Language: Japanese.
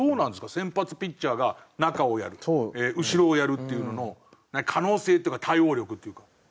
先発ピッチャーが中をやる後ろをやるっていうのの可能性っていうか対応力っていうか。